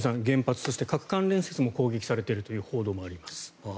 原発、そして核関連施設も攻撃されているという報道もあります。